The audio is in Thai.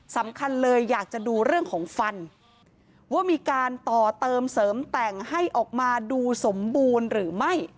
สำคัญเลยอยากจะดูเรื่องของฟันว่ามีการต่อเติมเสริมแต่งให้ออกมาดูสมบูรณ์หรือไม่